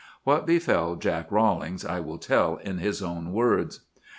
"What befell Jack Rollings I will tell in his own words."